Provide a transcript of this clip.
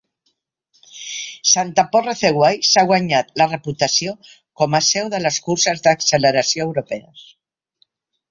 Santa Pod Raceway s'ha guanyat la reputació com a seu de les curses d'acceleració europees.